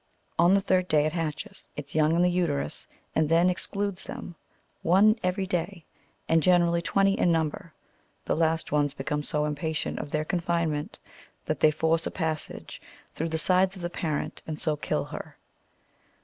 On the third day it hatches its young in the uterus, and then excludes them, one every day, and gene rally twenty in number ; the last ones become so impatient of their confinement, that they force a passage through the sides of their parent, and so kill her.